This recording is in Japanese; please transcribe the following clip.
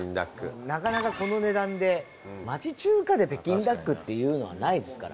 なかなかこの値段で町中華で北京ダックっていうのはないですから。